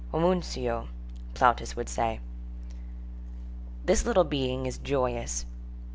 Homuncio, Plautus would say. This little being is joyous.